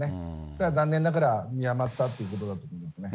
ただ残念ながら見誤ったということだと思いますね。